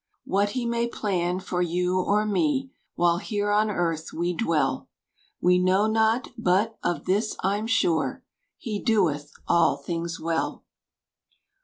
What he may plan for you or me, While here on earth we dwell, We know not but of this I'm sure, "He doeth all things well."